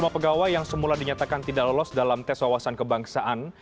lima pegawai yang semula dinyatakan tidak lolos dalam tes wawasan kebangsaan